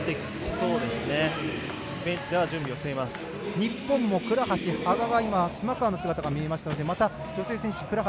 日本も倉橋、羽賀島川の姿が見えましたので女性選手の倉橋